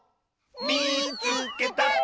「みいつけた！」。